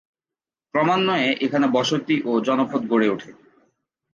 ক্রমান্বয়ে এখানে বসতি ও জনপদ গড়ে উঠে।